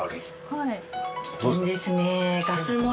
はい。